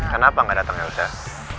kenapa gak datang ya ustaz